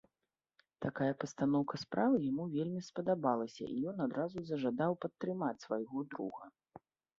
Такая пастаноўка справы яму вельмі спадабалася, і ён адразу зажадаў падтрымаць свайго друга.